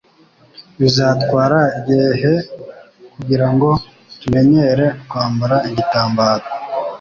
Bizatwara igihe kugirango tumenyere kwambara igitambaro.